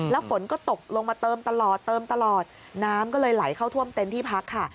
แล้วฝนก็ตกลงมาเติมตลอดเติมตลอดน้ำก็เลยไหลเข้าท่วมเต็นต์ที่พักค่ะ